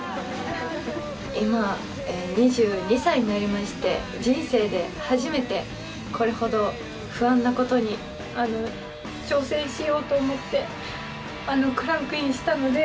今２２歳になりまして、人生で初めて、これほど不安なことに挑戦しようと思って、クランクインしたので。